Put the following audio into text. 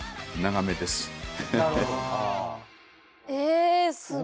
えすごい。